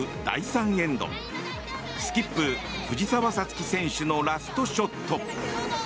第３エンドスキップ、藤澤五月選手のラストショット。